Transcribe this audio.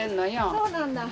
そうなんだ。